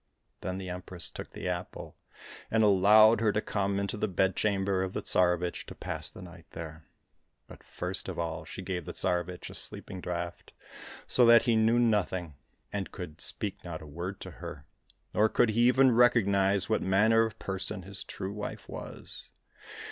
^Then the Empress took the apple, and allowed her to come into the bedchamber of the Tsarevich to pass the night there ; but first of all she gave the Tsarevich a sleeping draught so that he knew nothing, and could speak not a word to her, nor could he even recognize what manner of person his true wife was.